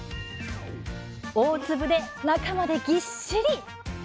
大粒で中までぎっしり！